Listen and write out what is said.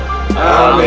yang lebih baik